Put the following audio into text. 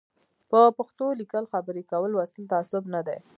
په پښتو لیکل خبري کول لوستل تعصب نه دی